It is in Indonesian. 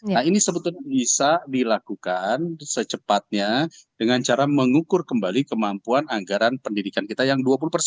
nah ini sebetulnya bisa dilakukan secepatnya dengan cara mengukur kembali kemampuan anggaran pendidikan kita yang dua puluh persen